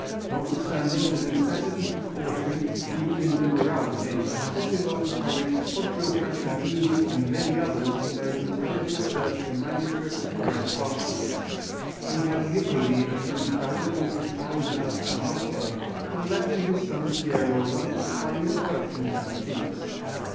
Notwithstanding the necessity for caution even in liberality, Cosimo encouraged Poggio Bracciolini and many others in their intelligent search for manuscripts and rare parchments. He had Niccoli as an invaluable adviser and helper, and left to his son Piero one of the finest collections of antiques.